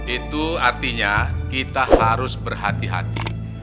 itu artinya kita harus berhati hati